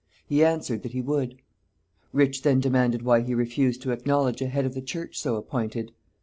He answered, that he would. Rich then demanded, why he refused to acknowledge a head of the church so appointed?